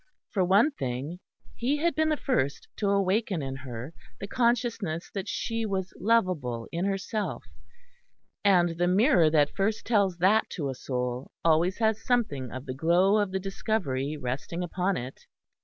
For one thing, he had been the first to awaken in her the consciousness that she was lovable in herself, and the mirror that first tells that to a soul always has something of the glow of the discovery resting upon it.